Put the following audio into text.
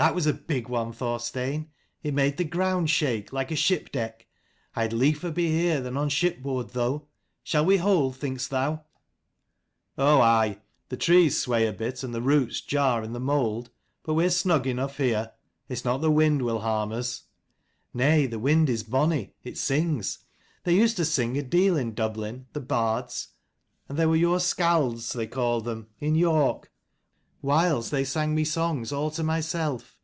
That was a big one, Thorstein : it made the ground shake, like a ship deck. I had liefer be here than on shipboard, though. Shall we hold, thinkst thou?" " Oh aye; the trees sway a bit and the roots jar in the mould : but we are snug enough here. It's not the wind will harm us." " Nay, the wind is bonny. It sings. They used to sing a deal in Dublin, the bards, and there were your skalds, they called them, in York : whiles they sang me songs all to myself.